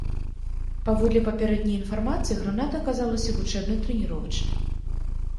Паводле папярэдняй інфармацыі, граната аказалася вучэбна-трэніровачнай.